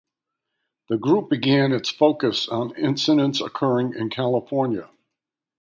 The group began its focus on incidents occurring in California.